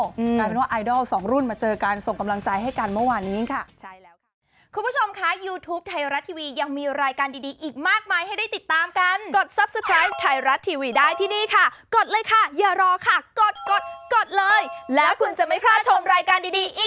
กลายเป็นว่าไอดอลสองรุ่นมาเจอกันส่งกำลังใจให้กันเมื่อวานนี้ค่ะ